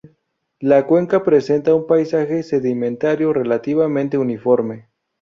La cuenca presenta un paisaje sedimentario relativamente uniforme.